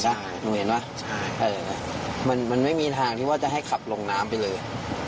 ใช่มันไม่มีทางที่ว่าจะให้ขับลงน้ำไปเลย